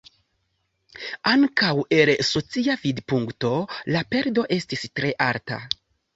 Ankaŭ el socia vidpunkto la perdo estis tre alta.